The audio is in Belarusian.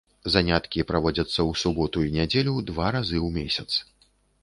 Заняткі праводзяцца ў суботу і нядзелю два разы ў месяц.